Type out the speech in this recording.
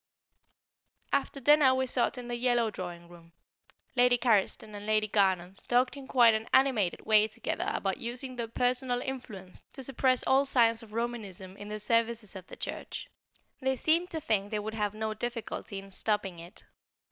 After dinner we sat in the yellow drawing room; Lady Carriston and Lady Garnons talked in quite an animated way together about using their personal influence to suppress all signs of Romanism in the services of the Church. They seemed to think they would have no difficulty in stopping it.